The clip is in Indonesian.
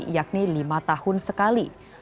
yakni lima tahun sekali